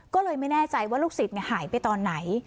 ก็เลยไม่แน่ใจว่าลูกศิษย์หายไปตอนไหน